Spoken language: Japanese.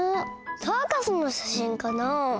サーカスのしゃしんかなあ？